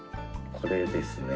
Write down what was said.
これですね